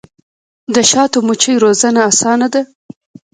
د شاتو مچیو روزنه اسانه ده؟